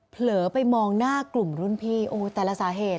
เผลอไปมองหน้ากลุ่มรุ่นพี่โอ้แต่ละสาเหตุ